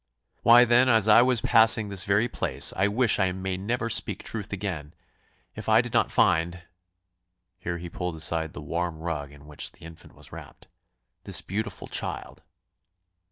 "Why, then, as I was passing this very place, I wish I may never speak truth again, if I did not find" (here he pulled aside the warm rug in which the infant was wrapped) "this beautiful child."